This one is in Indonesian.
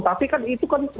tapi kan itu kan